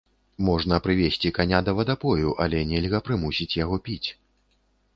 Можна прывесці каня да вадапою, але нельга прымусіць яго піць.